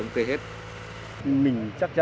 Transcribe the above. năm thứ một mươi bảy